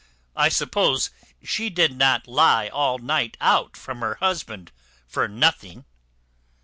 I suppose she did not lie all night out from her husband for nothing."